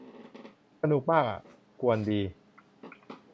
สนุกมากอะ กวนดี